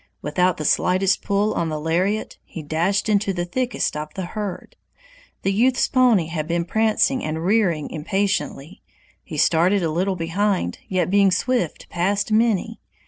Without the slightest pull on the lariat he dashed into the thickest of the herd. The youth's pony had been prancing and rearing impatiently; he started a little behind, yet being swift passed many.